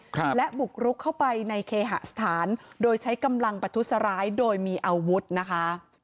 ครับและบุกรุกเข้าไปในเคหสถานโดยใช้กำลังประทุษร้ายโดยมีอาวุธนะคะ